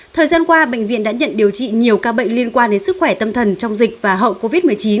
thời gian qua bệnh viện đã nhận điều trị nhiều ca bệnh liên quan đến sức khỏe tâm thần trong dịch và hậu covid một mươi chín